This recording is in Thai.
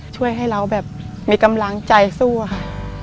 ช่วยให้เราแบบมีกำลังใจสู้ค่ะ